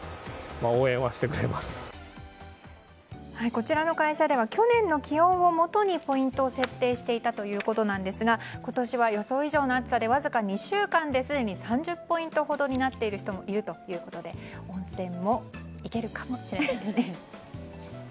こちらの会社では去年の気温をもとにポイントを設定していたということなんですが今年は予想以上の暑さでわずか２週間ですでに３０ポイントほどになっている人もいるということで温泉も行けるかもしれないですね。